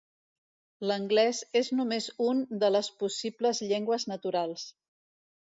L'anglès és només un de les possibles llengües naturals.